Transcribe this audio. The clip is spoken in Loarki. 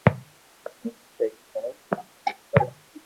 ايم اي سھي ھي ڪاو ھمي ڪرو